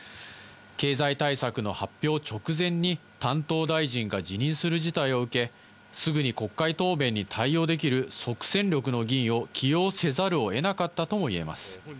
経済対策の発表直前に、担当大臣が辞任する事態を受け、すぐに国会答弁に対応できる即戦力の議員を起用せざるをえなかったともいえます。